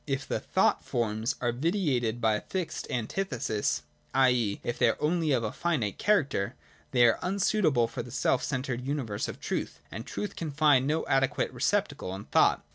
If the thought forms are vitiated by a fixed antithesis, i.e. if they are only of a finite character, they are unsuitable for the self centred universe of truth, and truth can find no adequate receptacle in thought.